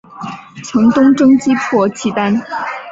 曾东征击破契丹。